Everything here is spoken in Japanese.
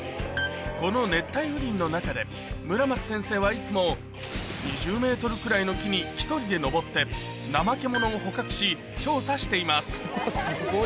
この熱帯雨林の中で、村松先生はいつも、２０メートルくらいの木に１人で登って、ナマケモノを捕獲し、調査しています。